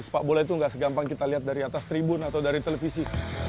sepak bola itu nggak segampang kita lihat dari atas tribun atau dari televisi